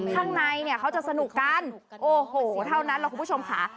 ข้างในเนี่ยเขาจะสนุกกันโอ้โหเท่านั้นแหละคุณผู้ชมค่ะ